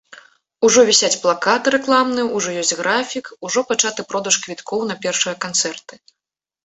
Ужо вісяць плакаты рэкламныя, ужо ёсць графік, ужо пачаты продаж квіткоў на першыя канцэрты.